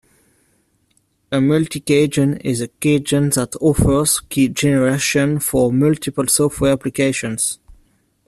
A multi-keygen is a keygen that offers key generation for multiple software applications.